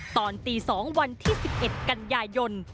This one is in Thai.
ตอนตี๒วันที่๑๑กันยายน